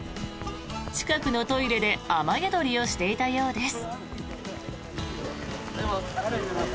近くのトイレで雨宿りをしていたようです。